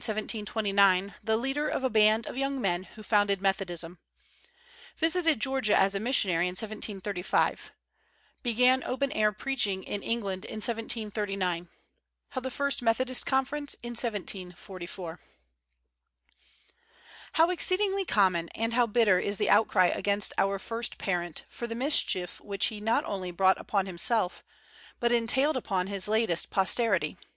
29 the leader of a band of young men who founded Methodism; visited Georgia as a missionary in 1735; began open air preaching in England in 1739; held the first Methodist Conference in 1744. How exceedingly common and how bitter is the outcry against our first parent for the mis chief which he not only brought upon himself, but entailed upon his latest posterity!